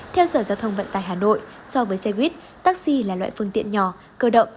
theo sở giao thông vận tải hà nội so với xe buýt taxi là loại phương tiện nhỏ cơ động